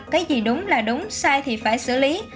cái gì đúng là đúng sai thì phải xử lý